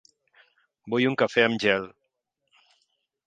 Vull un cafè amb gel.